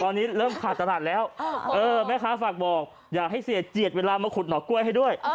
ตอนนี้เริ่มขาดตลาดแล้วแม่ค้าฝากบอกอยากให้เสียเจียดเวลามาขุดหนอกล้วยให้ด้วย